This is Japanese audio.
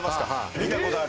見たことある？